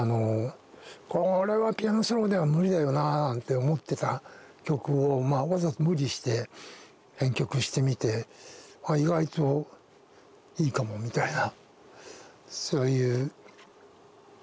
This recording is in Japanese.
これはピアノソロでは無理だよななんて思ってた曲をわざと無理して編曲してみて意外といいかもみたいなそういう感じもあって楽しい作業でした。